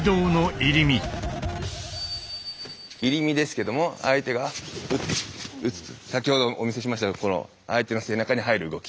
入身ですけども相手が先ほどお見せしましたようにこの相手の背中に入る動き。